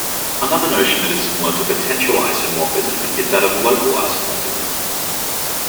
Another notion that is similar to potential isomorphism is that of local isomorphism.